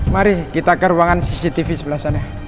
mari kita ke ruangan cctv sebelah sana